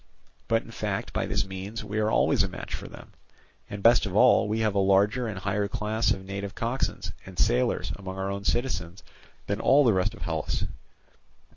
But in fact by this means we are always a match for them; and, best of all, we have a larger and higher class of native coxswains and sailors among our own citizens than all the rest of Hellas.